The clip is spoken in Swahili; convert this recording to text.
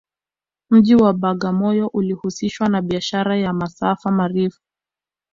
mji wa bagamoyo ulihusishwa na biashara ya masafa marefu